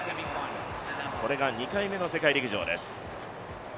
これが２回目の世界陸上です。